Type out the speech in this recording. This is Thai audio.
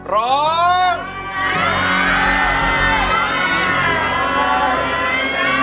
ร้องได้ร้องได้